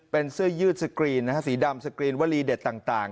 เป็นเสื้อยืดสกรีนสีดำสกรีนวลีเด็ดต่าง